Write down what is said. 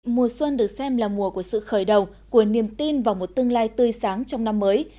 mùa xuân được xem là mùa của sự khởi đầu của niềm tin vào một tương lai tươi sáng trong năm mới